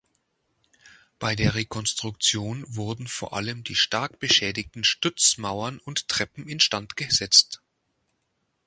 Bei der Rekonstruktion wurden vor allem die stark beschädigten Stützmauern und Treppen instand gesetzt.